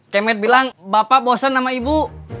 kayak matt bilang bapak bosen sama ibu